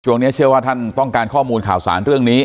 ช่วงนี้เชื่อว่าท่านต้องการข้อมูลข่าวสารเรื่องนี้